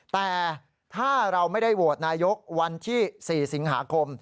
แต่ถ้าเราไม่ได้โหวตนายกวันที่๔สิงหาคม